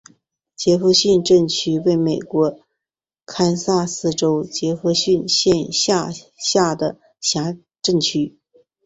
杰佛逊镇区为美国堪萨斯州杰佛逊县辖下的镇区。